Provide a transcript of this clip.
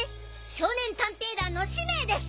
少年探偵団の使命です！